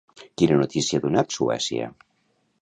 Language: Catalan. Quina notícia ha donat Suècia?